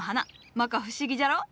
摩訶不思議じゃろ？